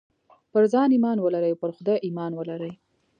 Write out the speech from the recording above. پر ځان ايمان ولرئ او پر خدای ايمان ولرئ.